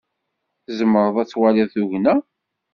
Tzemreḍ ad twaliḍ tugna?